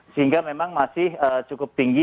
sehingga memang masih cukup tinggi